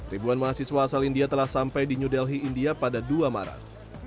ribuan mahasiswa asal india telah sampai di new delhi india pada dua maret